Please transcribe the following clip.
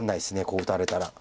こう打たれたら。